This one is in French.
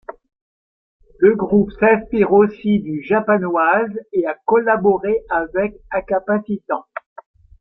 Le groupe s'inspire aussi du Japanoise et a collaboré avec Incapacitants.